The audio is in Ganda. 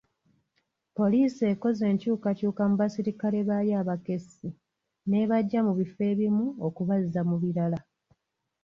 Poliisi ekoze enkyukakyuka mu basirikale baayo abakessi n'ebajja mu bifo ebimu okubazza mu birala.